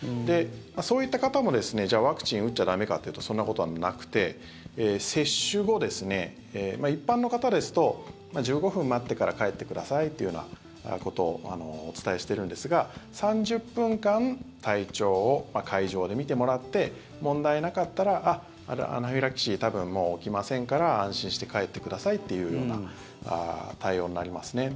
そういった方もじゃあワクチン打っちゃ駄目かというとそんなことはなくて接種後、一般の方ですと１５分待ってから帰ってくださいというようなことをお伝えしているんですが３０分間体調を会場で見てもらって問題なかったらアナフィラキシー多分もう起きませんから安心して帰ってくださいというような対応になりますね。